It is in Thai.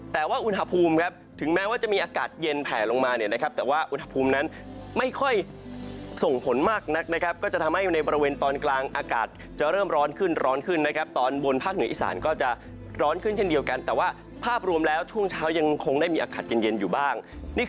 แต่ว่าอุณหภูมิครับถึงแม้ว่าจะมีอากาศเย็นแผลลงมาเนี่ยนะครับแต่ว่าอุณหภูมินั้นไม่ค่อยส่งผลมากนักนะครับก็จะทำให้ในบริเวณตอนกลางอากาศจะเริ่มร้อนขึ้นร้อนขึ้นนะครับตอนบนภาคเหนืออีสานก็จะร้อนขึ้นเช่นเดียวกันแต่ว่าภาพรวมแล้วช่วงเช้ายังคงได้มีอากาศเย็นอยู่บ้าง